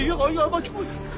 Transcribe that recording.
はい。